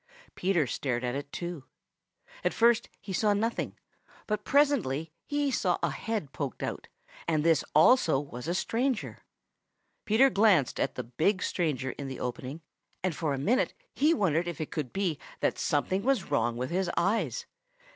Peter stared at it too. At first he saw nothing, but presently he saw a head poked out, and this also was a stranger. Peter glanced at the big stranger in the opening, and for a minute he wondered if it could be that something was wrong with his eyes.